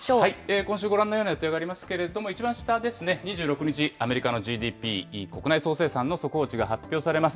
今週、ご覧のような予定がありますけれども、一番下ですね、２６日、アメリカのＧＤＰ・国内総生産の速報値が発表されます。